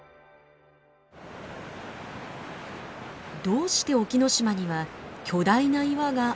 どうして沖ノ島には巨大な岩が多いのか？